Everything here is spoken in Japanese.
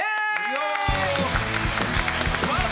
よっ！